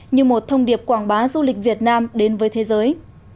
như một thông điệp quảng bá du lịch việt nam đến với thế giới